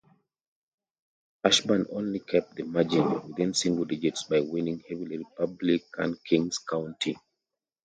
Ashburn only kept the margin within single digits by winning heavily Republican Kings County.